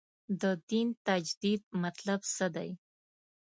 د دین تجدید مطلب څه دی.